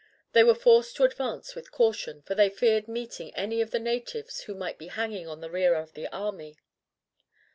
They were forced to advance with caution, for they feared meeting any of the natives who might be hanging on the rear of the army.